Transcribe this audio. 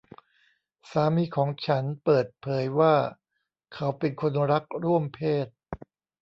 สามีของฉันเปิดเผยว่าเขาเป็นคนรักร่วมเพศ